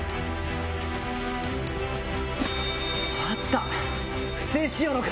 あった！